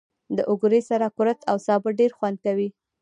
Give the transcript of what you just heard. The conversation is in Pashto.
له اوگرې سره کورت او سابه ډېر خوند کوي.